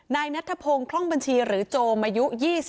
นายนัทธพงศ์คล่องบัญชีหรือโจมอายุ๒๓